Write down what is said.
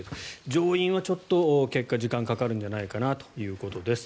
上院はちょっと結果時間がかかるんじゃないかなということです。